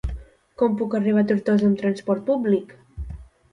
Com puc arribar a Tortosa amb trasport públic?